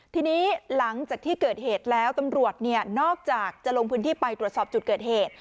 ทีนี้หลังจากที่เกิดเหตุแล้วตำรวจนอกจากจะลงพื้นที่ไปตรวจสอบจุดเกิดเหตุ